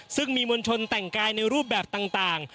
ซึ่งมีมวลชนแต่งกายในรูปแบบต่าง